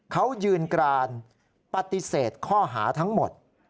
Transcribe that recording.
เขายืนกรานปฏิเสธข้อหาทั้งหมด